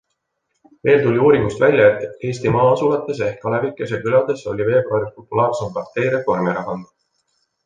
Veel tuli uuringust välja, et Eesti maa-asulates ehk alevikes ja külades oli veebruaris populaarseim partei Reformierakond.